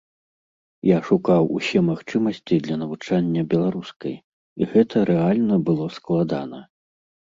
Я шукаў усе магчымасці для навучання беларускай, і гэта рэальна было складана.